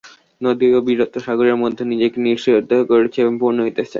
নদী অবিরত সাগরের মধ্যে নিজেকে নিঃশেষিত করিতেছে এবং পূর্ণ হইতেছে।